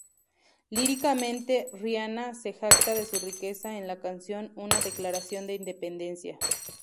Líricamente, Rihanna se jacta de su riqueza en la canción, una declaración de independencia.